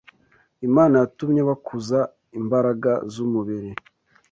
Imana yatumye bakuza imbaraga z’umubiri